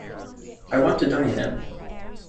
I want to die in it.